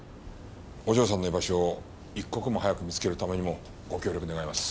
お嬢さんの居場所を一刻も早く見つけるためにもご協力願います。